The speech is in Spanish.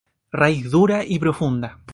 Raíz dura y profunda.